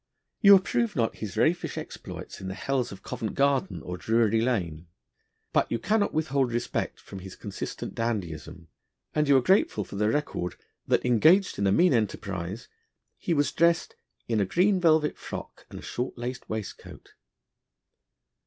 You approve not his raffish exploits in the hells of Covent Garden or Drury Lane. But you cannot withhold respect from his consistent dandyism, and you are grateful for the record that, engaged in a mean enterprise, he was dressed 'in a green velvet frock and a short lac'd waistcoat.'